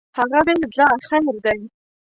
هغه ویل ځه خیر دی.